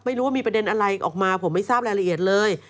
ไม่รู้ว่ามีประเด็นอะไรออกมาผมไม่ทราบรายละเอียดเลย